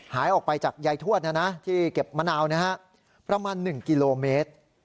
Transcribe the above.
หายออกไปจากยายทวดที่เก็บมะนาวประมาณ๑กิโลเมตร